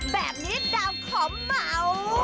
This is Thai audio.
แบบนี้ดาวขอเหมา